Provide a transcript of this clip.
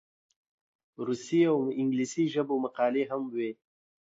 روسي او انګلیسي ژبو مقالې هم وې.